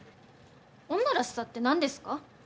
女らしさって何ですか？